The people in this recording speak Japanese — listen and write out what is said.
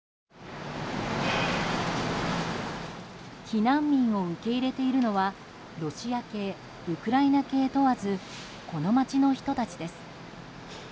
避難民を受け入れているのはロシア系、ウクライナ系問わずこの町の人たちです。